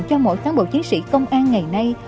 cho mỗi cán bộ chiến sĩ công an ngày nay